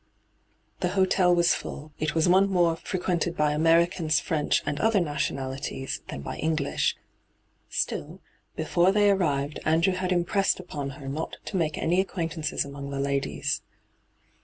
The hotel was fiill. It was one more frequented by Americans, French, and other nationalities, than by English. Still, before they arrived Andrew had impressed upon her hyGoo>^lc ENTRAPPED 143 not to make any aoqaaintances among the ladies.